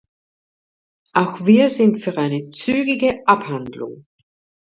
Auch wir sind für eine zügige Abhandlung.